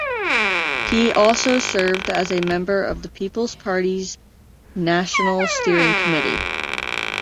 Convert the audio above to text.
He also served as a Member of the People's Party's National Steering Committee.